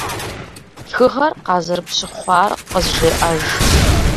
Тхыгъэр къазэрыпщыхъуар къызжеӏэж.